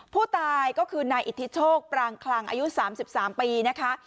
ผู้ตายก็คือนายอิทธิโชคปรางคลังอายุ๓๓ปีนะคะ